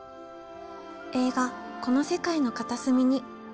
映画「この世界の片隅に」。